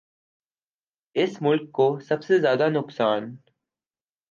اس ملک کو سب سے زیادہ نقصان